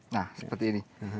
nah seperti ini